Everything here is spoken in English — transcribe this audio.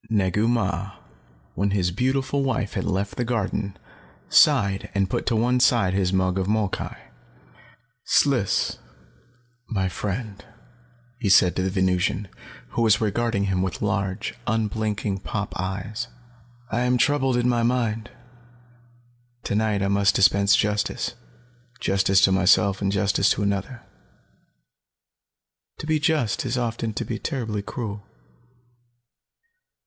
Negu Mah, when his beautiful wife had left the garden, sighed and put to one side his mug of molkai. "Sliss, my friend," he said to the Venusian, who was regarding him with large, unblinking pop eyes, "I am troubled in my mind. Tonight I must dispense justice. Justice to myself and justice to another. To be just is often to be terribly cruel."